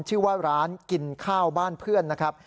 ชื่อว่าร้านกินข้าวบ้านเพื่อนนะครับ